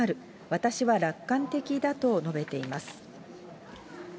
私は楽観的だと述べています。